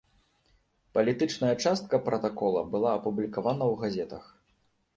Палітычная частка пратакола была апублікавана ў газетах.